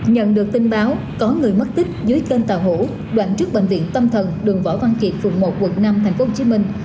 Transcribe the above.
nhận được tin báo có người mất tích dưới tên tàu hổ đoạn trước bệnh viện tâm thần đường võ văn kiệt phường một quận năm thành phố hồ chí minh